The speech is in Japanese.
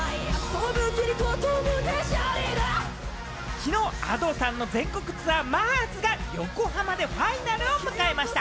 きのうＡｄｏさんの全国ツアー、マーズが横浜でファイナルを迎えました。